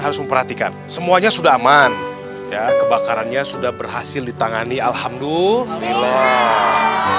harus memperhatikan semuanya sudah aman ya kebakarannya sudah berhasil ditangani alhamdulillah